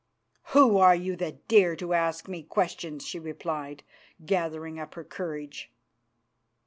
"Who are you that dare to ask me questions?" she replied, gathering up her courage.